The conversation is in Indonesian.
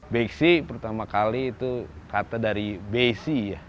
beksi pertama kali itu kata dari besi ya